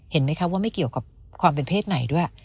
เห็นไหมคะว่าไม่เกี่ยวกับความเป็นเพศไหนด้วย